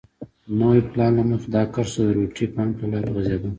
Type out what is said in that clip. د نوي پلان له مخې دا کرښه د روټي فنک له لارې غځېده.